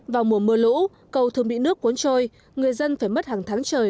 vào mùa mưa lũ cầu thường bị nước cuốn trôi người dân phải mất hàng tháng trời